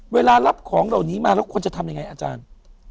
เวลารับของเหล่านี้มาแล้วควรจะทำยังไงอาจารย์